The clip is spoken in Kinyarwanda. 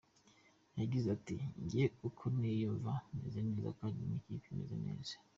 Yagize ati “Njye uko niyumva meze neza kandi n’ikipe imeze neza.